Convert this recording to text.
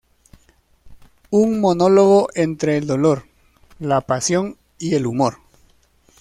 Un monólogo entre el dolor, la pasión y el humor.